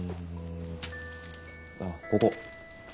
ああここ。